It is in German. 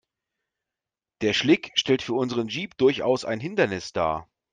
Der Schlick stellt für unseren Jeep durchaus ein Hindernis dar.